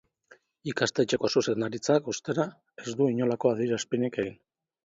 Ikastetxeko zuzendaritzak, ostera, ez du inolako adierazpenik egin.